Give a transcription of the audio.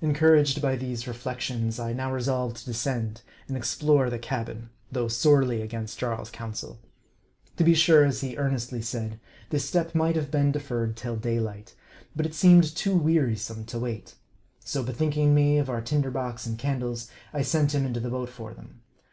Encouraged by these reflections, I now resolved to descend, and explore the cabin, though sorely against Jarl's counsel. To be sure, as he earnestly said, this step might have been defer red till daylight ; but it seemed too wearisome to wait. So bethinking me of our tinder box and candles, I sent him into the boat for them.